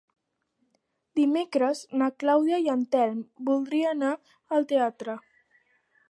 Dimecres na Clàudia i en Telm voldria anar al teatre.